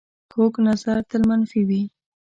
کوږ نظر تل منفي وي